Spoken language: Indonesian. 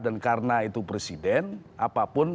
dan karena itu presiden apapun